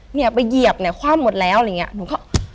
เนี่ยไปเหยียบเนี่ยคว่ำหมดแล้วอะไรอย่างเงี้ยหนูก็